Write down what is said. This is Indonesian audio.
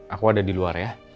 aku ada di luar ya